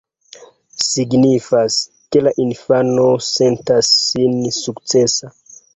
Signifas, ke la infano sentas sin sukcesa.